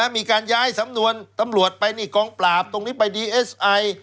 มีการย้ายสำนวนตำรวจไปนี่กองปราบตรงนี้ไปดีเอสไอ